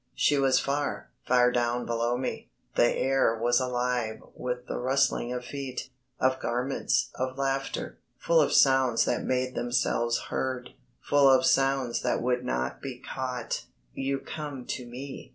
She was far, far down below me; the air was alive with the rustling of feet, of garments, of laughter, full of sounds that made themselves heard, full of sounds that would not be caught. "You come to me